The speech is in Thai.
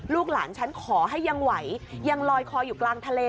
ลูกหลานฉันขอให้ยังไหวยังลอยคออยู่กลางทะเล